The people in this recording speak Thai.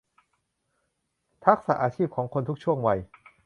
ทักษะอาชีพของคนทุกช่วงวัย